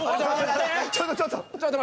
ちょっとちょっと。